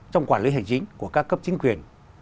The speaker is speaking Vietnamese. trong quản lý hành chính của các cấp chính quyền